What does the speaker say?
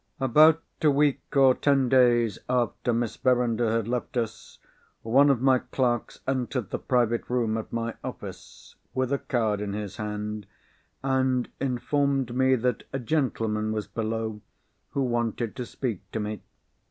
About a week or ten days after Miss Verinder had left us, one of my clerks entered the private room at my office, with a card in his hand, and informed me that a gentleman was below, who wanted to speak to me.